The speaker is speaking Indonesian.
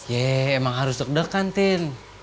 yeh emang harus deg degan tin